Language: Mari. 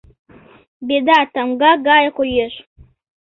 «Беда» тамга гае коеш.